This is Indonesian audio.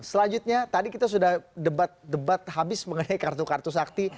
selanjutnya tadi kita sudah debat debat habis mengenai kartu kartu sakti